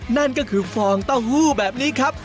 นั่นก็คือฟองเต้าหู้แบบนี้ครับ